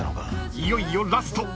［いよいよラスト！